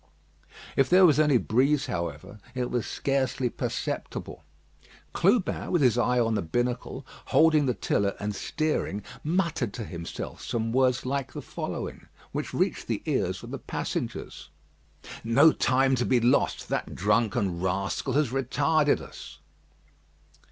If there was any breeze, however, it was scarcely perceptible. Clubin with his eye on the binnacle, holding the tiller and steering, muttered to himself some words like the following, which reached the ears of the passengers: "No time to be lost; that drunken rascal has retarded us."